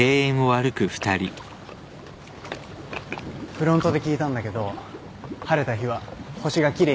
フロントで聞いたんだけど晴れた日は星が奇麗に見えるらしいですよ。